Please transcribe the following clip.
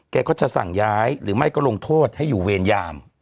ก็จะสั่งย้ายหรือไม่ก็ลงโทษให้อยู่เวรยาม